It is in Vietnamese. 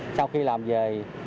sau khi làm về